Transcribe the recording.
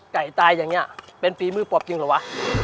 ไก่ตายอย่างนี้เป็นฝีมือปลอบจริงเหรอวะ